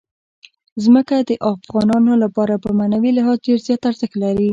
ځمکه د افغانانو لپاره په معنوي لحاظ ډېر زیات ارزښت لري.